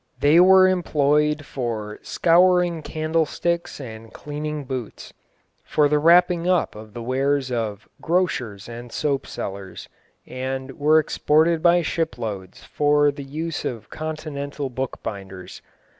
They were employed for "scouring candlesticks and cleaning boots," for the wrapping up of the wares of "grocers and soap sellers," and were exported by shiploads for the use of continental bookbinders.